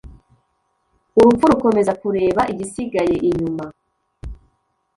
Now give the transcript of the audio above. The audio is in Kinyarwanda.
urupfu rukomeza kureba igisigaye inyuma.